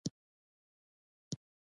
پلار لرې؟ ګل جانې: هو، په نقرس اخته دی.